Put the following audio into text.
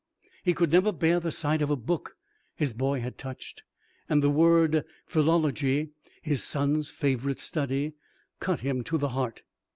He could never bear the sight of a book his boy had touched, and the word "philology," his son's favorite study, cut him to the heart.